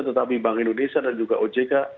tetapi bank indonesia dan juga ojk